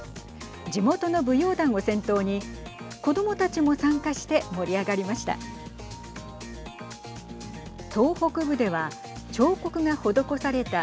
地元の舞踊団を先頭に子どもたちも参加して盛り上がりました。